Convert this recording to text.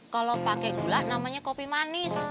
kalau pakai gula namanya kopi manis